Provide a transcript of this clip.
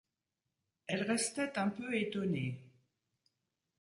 Elle restait un peu étonnée.